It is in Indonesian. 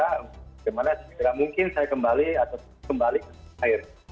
bagaimana tidak mungkin saya kembali atau kembali ke tanah air